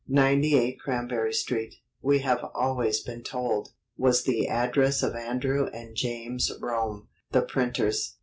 Ninety eight Cranberry Street, we have always been told, was the address of Andrew and James Rome, the printers.